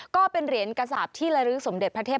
ก็เป็นเหรียญกระสาปที่ละลึกสมเด็จพระเทพ